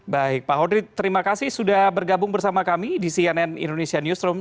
baik pak hodrid terima kasih sudah bergabung bersama kami di cnn indonesia newsroom